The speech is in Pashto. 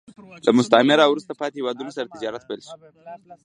له مستعمره او وروسته پاتې هېوادونو سره تجارت پیل شو